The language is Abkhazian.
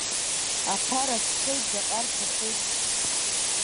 Аԥара сшәоит заҟа рҭаху.